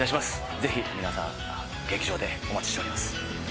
ぜひ皆さん劇場でお待ちしております。